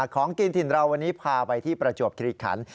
ของกินถิ่นเราวันนี้พาไปที่ประจวบคิริขัน